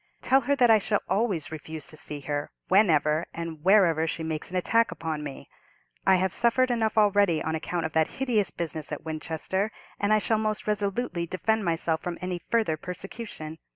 "Tell her that I shall always refuse to see her, whenever or wherever she makes an attack upon me. I have suffered enough already on account of that hideous business at Winchester, and I shall most resolutely defend myself from any further persecution.